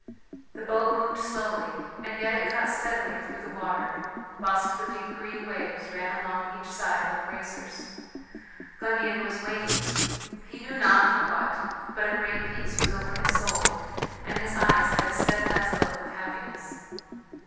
The boat moved slowly, and yet it cut steadily through the water, whilst the deep green waves ran along each side like racers Gundian was waiting ... he knew not for what, but a great peace was over his soul, and his eyes had a steadfast look of happiness.